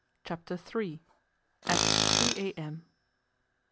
Chapter Three AT THREE A.M.